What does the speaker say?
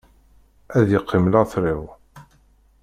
Ad yeqqim later-iw.